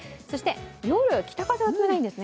夜、北風が冷たいんですね。